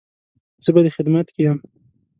زه به دې خدمت کې يم